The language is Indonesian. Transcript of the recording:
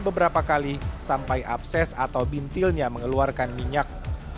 beberapa kali sampai abses atau bintilnya mengeluarkan minyak